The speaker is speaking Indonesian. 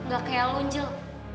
gak kayak lo jel